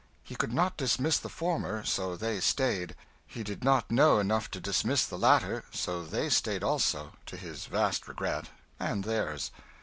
He could not dismiss the former, so they stayed; he did not know enough to dismiss the latter, so they stayed also, to his vast regret and theirs.